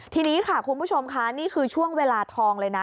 ทีนี้ค่ะคุณผู้ชมค่ะนี่คือช่วงเวลาทองเลยนะ